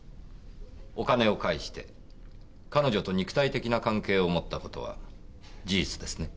お金を介して彼女と肉体的な関係を持ったことは事実ですね？